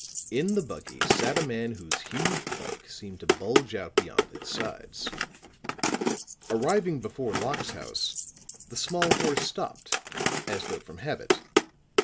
In the buggy sat a man whose huge bulk seemed to bulge out beyond its sides. Arriving before Locke's house, the small horse stopped, as though from habit.